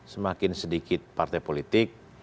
semakin sedikit partai politik